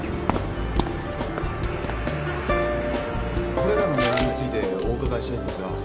これらの値段についてお伺いしたいんですが。